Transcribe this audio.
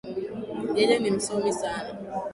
Yeye ni msomi sana